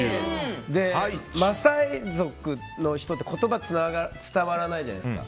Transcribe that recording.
マサイ族の人って言葉が伝わらないじゃないですか。